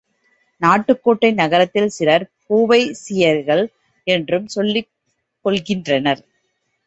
நாட்டுக்கோட்டை நகரத்தில் சிலர் பூவைசியர்கள் என்றும் சொல்லிக் கொள்கின்றனர்.